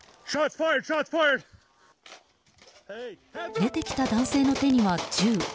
出てきた男性の手には銃。